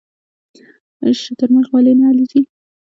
شترمرغ ولې نه الوځي؟